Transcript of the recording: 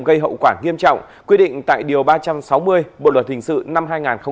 gây hậu quả nghiêm trọng quy định tại điều ba trăm sáu mươi bộ luật hình sự năm hai nghìn một mươi năm